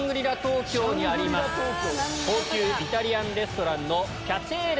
高級イタリアンレストランの。